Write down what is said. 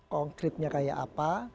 konkritnya kayak apa